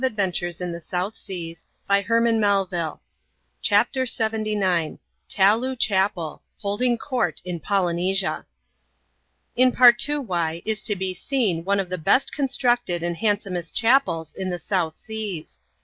902 ADVENTURES IN THE SOUTH SEAS. [chap. lxhi. CHAPTER LXXIX. Taloo OhapeL"— Holding Court in Polynena. In Partoowye is to be seen one of the best eonstrncted and handsomest chapels in the South Seas.